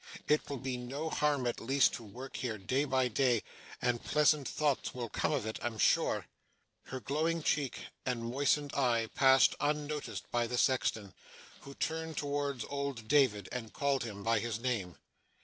It will be no harm at least to work here day by day, and pleasant thoughts will come of it, I am sure.' Her glowing cheek and moistened eye passed unnoticed by the sexton, who turned towards old David, and called him by his name.